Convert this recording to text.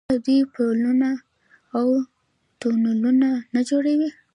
آیا دوی پلونه او تونلونه نه جوړوي؟